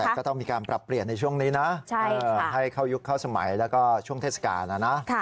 แต่ก็ต้องมีการปรับเปลี่ยนในช่วงนี้นะให้เข้ายุคเข้าสมัยแล้วก็ช่วงเทศกาลนะนะ